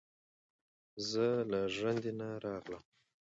ـ زه له ژړندې نه راغلم،